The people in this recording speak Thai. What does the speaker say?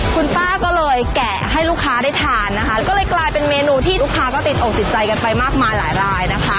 คุณป้าก็เลยแกะให้ลูกค้าได้ทานนะคะก็เลยกลายเป็นเมนูที่ลูกค้าก็ติดอกติดใจกันไปมากมายหลายรายนะคะ